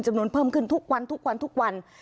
เพิ่มขึ้นทุกวันทุกวันทุกวัน